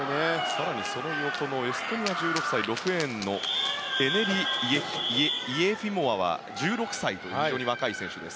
更にその横のエストニア、１６歳６レーンのエネリ・イェフィモワは１６歳という非常に若い選手です。